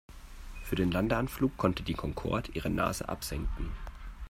Für den Landeanflug konnte die Concorde ihre Nase absenken.